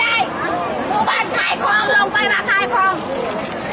อาหรับเชี่ยวจามันไม่มีควรหยุด